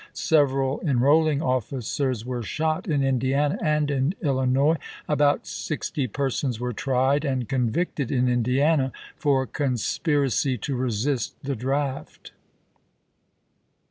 Several chap.i. enrolling officers were shot in Indiana and in Illinois; about sixty persons were tried and convicted in thTjKe Indiana for conspiracy to resist the draft.